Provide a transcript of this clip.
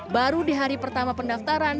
baru di hari pertama pendaftaran